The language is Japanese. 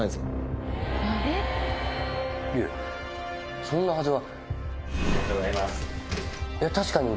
いえそんなはずは。